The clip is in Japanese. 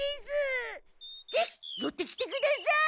ぜひよってきてください！